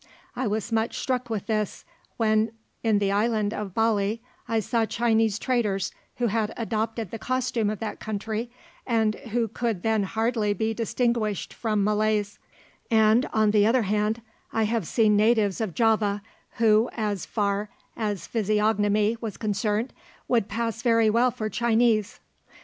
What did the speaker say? I was much struck with this, when in the island of Bali I saw Chinese traders who had adopted the costume of that country, and who could then hardly be distinguished from Malays; and, on the other hand, I have seen natives of Java who, as far as physiognomy was concerned, would pass very well for Chinese.